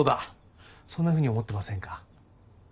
そんなふうに思ってませんか？